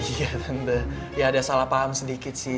iya tentu ya ada salah paham sedikit sih